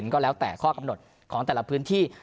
ก็แล้วแต่ข้อกำหนดของแต่ละพื้นที่